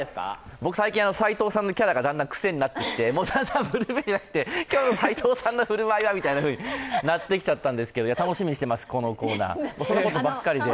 僕、最近、齋藤さんのキャラがクセになってきてだんだんブルーベリーじゃなくて今日の齋藤さんの振る舞いがみたいになってきちゃったんですけど楽しみにしています、このコーナーそのことばっかりで。